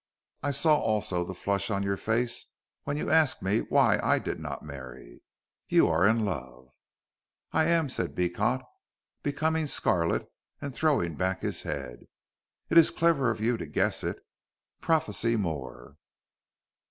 I saw also the flush on your face when you asked me why I did not marry. You are in love?" "I am," said Beecot, becoming scarlet, and throwing back his head. "It is clever of you to guess it. Prophesy more."